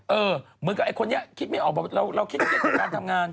เหมือนกับไอ้คนนี้คิดไม่ออกบอกเราคิดเครียดกับการทำงาน